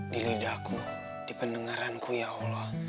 di lidahku di pendengaranku ya allah